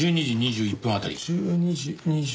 １２時２１分ああ